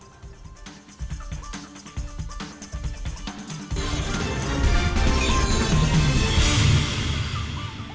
terima kasih pak argo